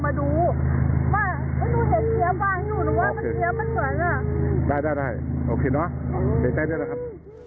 มาดูเห็นเคียบไว้อยู่หรือว่ามันเคียบมันเหมือนอ่ะได้ได้ได้โอเคเนอะใกล้ใกล้ได้แล้วนะครับ